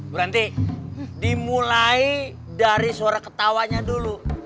berarti dimulai dari suara ketawanya dulu